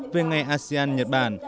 về ngày asean nhật bản